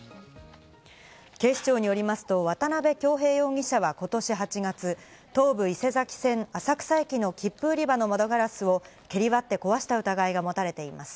警視庁によりますと渡辺恭平容疑者は今年８月、東武伊勢崎線・浅草駅の切符売り場の窓ガラスを蹴り割って壊した疑いが持たれています。